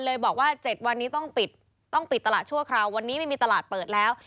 เลยบอกว่า๗วันนี้ต้องปิดต้องปิดตลาดชั่วคราววันนี้ไม่มีตลาดเปิดแล้ว